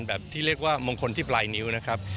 ที่เรียกว่ามงคลที่ปลายนิ้วนะครับ